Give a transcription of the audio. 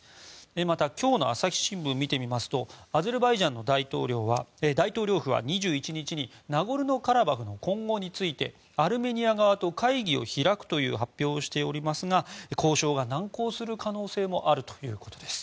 また、今日の朝日新聞を見てみますとアゼルバイジャンの大統領府は２１日にナゴルノカラバフの今後についてアルメニア側と会議を開くという発表をしておりますが交渉が難航する可能性もあるということです。